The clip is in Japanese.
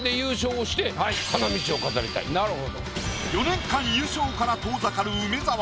４年間優勝から遠ざかる梅沢